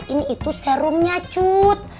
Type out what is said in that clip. ini itu serumnya cut